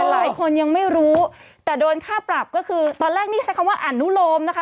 หลายคนยังไม่รู้แต่โดนค่าปรับก็คือตอนแรกนี่ใช้คำว่าอนุโลมนะคะ